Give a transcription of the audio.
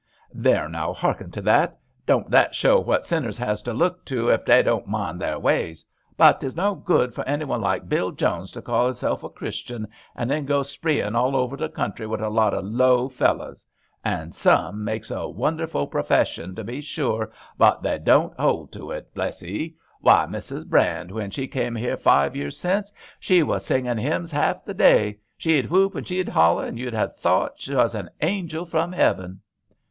" There, now, hearken to that ! Doan*t that show what senners has to look to ef they doan*t mind their ways ? But *tes no good for anyone like Bill Jones to call *iself a Christian and then go spreein* about all over the country wi' a lot o* low fellows. Ah ! some makes a wonderful 42 GRANNY LOVELOCK profession, to be sure, but they doan't hold to it, bless 'ee. Why, Mrs. Brand, when she come here five years sence, she was singin' hymns half the day ; she'd whoop and she'd hollar, you'd ha' thought 'twas an angel from heaven